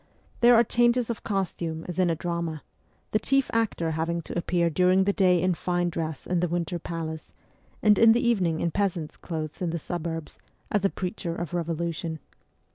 There are changes of costume as in a drama ; the chief actor having to appear during the day in fine dress in the Winter Palace, and in the evening in peasant's clothes in the suburbs, as a preacher of revolution.